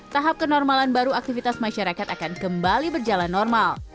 tahap kenormalan baru aktivitas masyarakat akan kembali berjalan normal